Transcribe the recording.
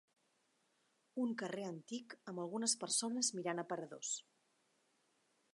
Un carrer antic amb algunes persones mirant aparadors.